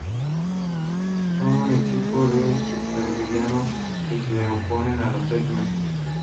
Son un equipo de supervillanos que se oponen a los X-Men.